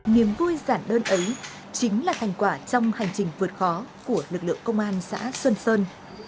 niềm vui giản đơn ấy chính là thành quả trong hành trình vượt khó của lực lượng công dân